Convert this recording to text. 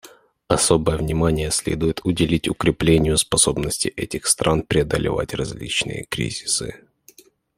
Особое внимание следует уделить укреплению способности этих стран преодолевать различные кризисы.